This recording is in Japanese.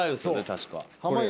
確か。